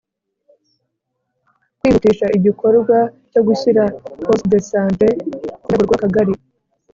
Kwihutisha igikorwa cyo gushyira poste de sant ku rwego rw Akagali